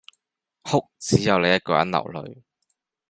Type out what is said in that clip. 哭，只有你一個人流淚